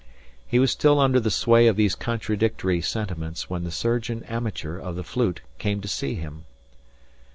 He was still under the sway of these contradictory sentiments when the surgeon amateur of the flute came to see him.